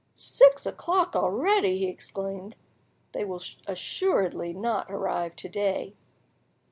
"Six o'clock already!" he exclaimed. "They will assuredly not arrive to day."